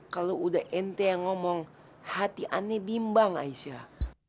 kalau udah ente yang ngomong hati aneh bimbang aisyah